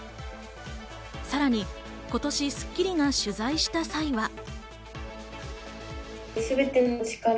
さらに、今年『スッキリ』が取材した際は。